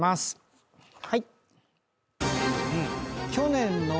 はい。